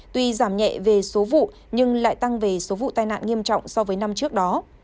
tuy giảm nhẹ về số vụ nhưng lại tăng về số vụ tai nạn nghiêm trọng so với năm trước đó